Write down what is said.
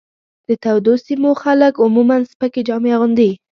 د تودو سیمو خلک عموماً سپکې جامې اغوندي.